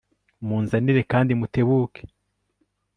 munzanire, kandi mutebuke»